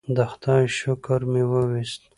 د خدای شکر مې وویست.